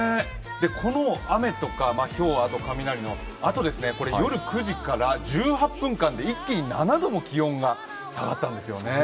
この雨とか、ひょう、雷のあと、夜９時から１８分間で一気に７度も気温が下がったんですよね。